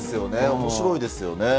おもしろいですよね。